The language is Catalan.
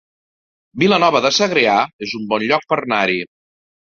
Vilanova de Segrià es un bon lloc per anar-hi